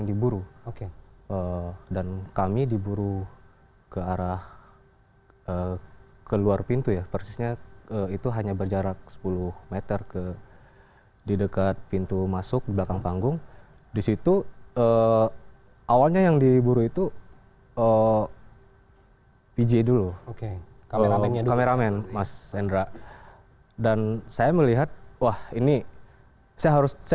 jurnalis jurnalis indonesia tv dipaksa menghapus gambar yang memperlihatkan adanya keributan yang sempat terjadi di lokasi acara